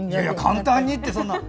簡単にって、そんな！